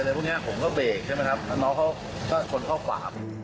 พวกนี้ผมก็เบรกใช่ไหมครับแล้วน้องเขาก็ชนเข้าขวา